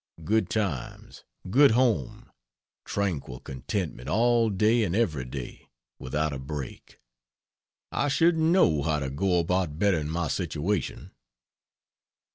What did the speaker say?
Good times, good home, tranquil contentment all day and every day, without a break. I shouldn't know how to go about bettering my situation."